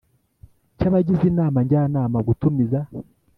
Cy abagize inama njyanama gutumiza